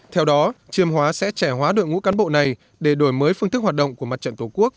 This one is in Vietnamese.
theo đó chiêm hóa sẽ trẻ hóa đội ngũ cán bộ này để đổi mới phương thức hoạt động của mặt trận tổ quốc